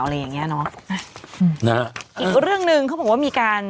อะไรอย่างเงี้ยเนอะอืมนะอีกเรื่องหนึ่งเขาบอกว่ามีการ